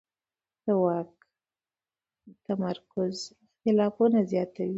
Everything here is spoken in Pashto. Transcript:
د واک تمرکز اختلافونه زیاتوي